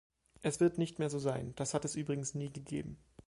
Es wird nicht mehr so sein, das hat es übrigens nie gegeben.